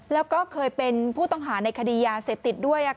แล้วก็เคยเป็นผู้ต้องหาในคดียาเสพติดด้วย